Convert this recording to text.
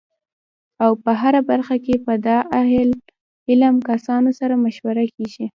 او په هره برخه کی به د اهل علم کسانو سره مشوره کیږی